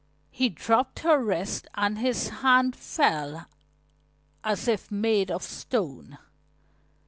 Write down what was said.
He dropped her wrist and his hand fell as if made of stone.